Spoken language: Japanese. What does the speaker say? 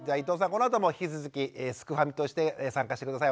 このあとも引き続きすくファミとして参加して下さい。